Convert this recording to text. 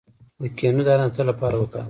د کینو دانه د څه لپاره وکاروم؟